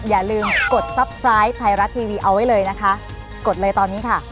อย่าลืมกดซัพพรายไทยรัฐทีวีเอาไว้เลยนะคะกดเลยตอนนี้ค่ะ